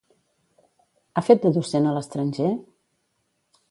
Ha fet de docent a l'estranger?